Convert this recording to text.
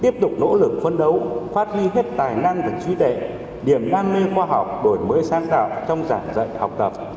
phát huy hết tài năng và trí tệ điểm đam mê khoa học đổi mới sáng tạo trong giảng dạy học tập